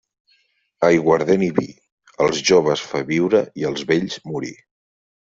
Aiguardent i vi, els joves fa viure i els vells morir.